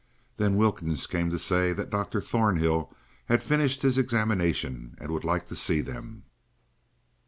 Then Wilkins came to say that Dr. Thornhill had finished his examination and would like to see them.